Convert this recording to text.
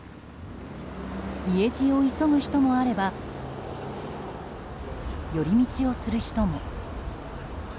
家路を急ぐ人もあれば寄り道をする人も。